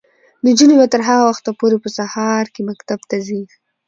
نجونې به تر هغه وخته پورې په سهار کې مکتب ته ځي.